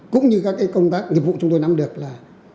cũng như các công tác nghiệp vụ chúng tôi nắm được là